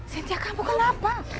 sintia kamu kenapa